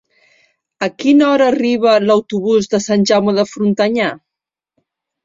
A quina hora arriba l'autobús de Sant Jaume de Frontanyà?